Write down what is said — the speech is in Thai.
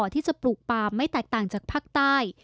ที่จะปลูกปลามไม่แตกต่างจากภาคใต้